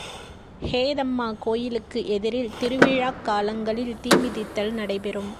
ஹேதம்மா கோயிலுக்கு எதிரில் திருவிழாக்காலங்களில் தீமிதித்தல் நடைபெறும்.